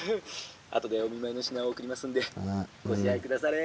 後でお見舞いの品を送りますんでご自愛下され」。